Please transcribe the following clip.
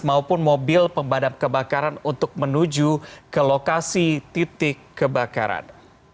maupun mobil pemadam kebakaran untuk menuju ke lokasi titik kebakaran